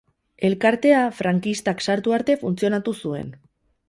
Elkartea frankistak sartu arte funtzionatu zuen.